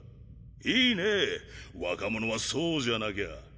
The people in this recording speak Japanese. いいねぇ若者はそうじゃなきゃ。